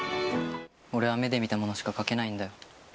俺は目で見たものしか描けないんだよ。